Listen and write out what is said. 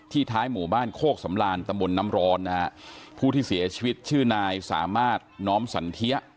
ท้ายหมู่บ้านโคกสำลานตำบลน้ำร้อนนะฮะผู้ที่เสียชีวิตชื่อนายสามารถน้อมสันเทีย